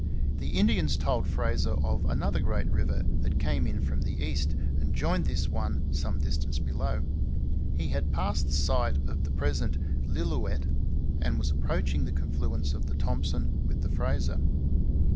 The Indians told Fraser of another great river that came in from the east and joined this one some distance below. He had passed the site of the present Lillooet and was approaching the confluence of the Thompson with the Fraser.